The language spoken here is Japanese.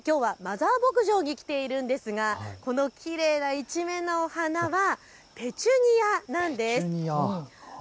さてきょうは実は牧場に来ているんですが、このきれいな一面のお花はペチュニアなんです。